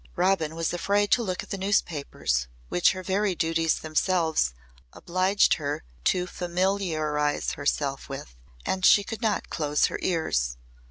Robin was afraid to look at the newspapers which her very duties themselves obliged her to familiarise herself with, and she could not close her ears.